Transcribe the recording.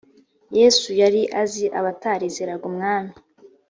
yesu yari azi abatarizeraga umwami.